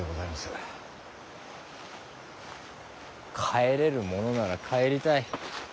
帰れるものなら帰りたい。